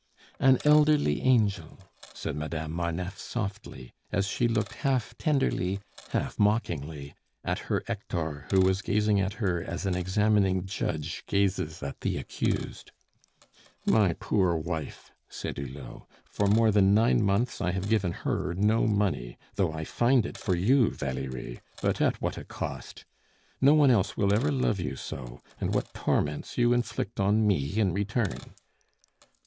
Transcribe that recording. "An elderly angel!" said Madame Marneffe softly, as she looked half tenderly, half mockingly, at her Hector, who was gazing at her as an examining judge gazes at the accused. "My poor wife!" said Hulot. "For more than nine months I have given her no money, though I find it for you, Valerie; but at what a cost! No one else will ever love you so, and what torments you inflict on me in return!"